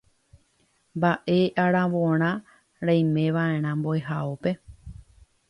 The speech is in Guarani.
Mba'e aravorã reimeva'erã mbo'ehaópe.